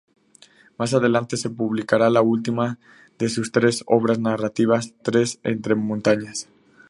Más adelante se publicaría la última de sus tres obras narrativas, "Tres entre montañas".